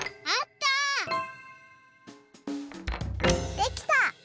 できた！